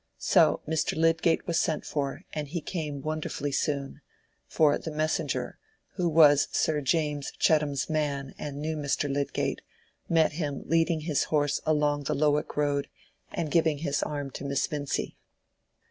So Mr. Lydgate was sent for and he came wonderfully soon, for the messenger, who was Sir James Chettam's man and knew Mr. Lydgate, met him leading his horse along the Lowick road and giving his arm to Miss Vincy.